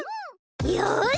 よし！